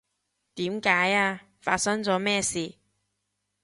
點解呀？發生咗咩事？